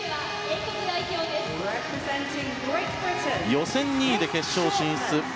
予選２位で決勝進出。